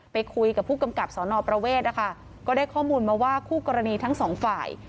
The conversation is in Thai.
ไปคุยกับผู้กำกับสนประเวทนะคะก็ได้ข้อมูลมาว่าคู่กรณีทั้งสองฝ่าย